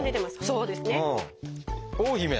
そうですね。